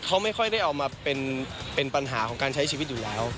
เขาไม่ค่อยได้เอามาเป็นปัญหาของการใช้ชีวิตอยู่แล้ว